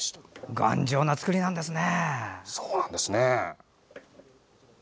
頑丈な造りなんですね。